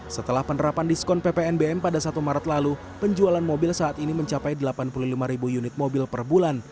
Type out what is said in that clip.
setelah penerapan diskon ppnbm pada satu maret lalu penjualan mobil saat ini mencapai delapan puluh lima ribu unit mobil per bulan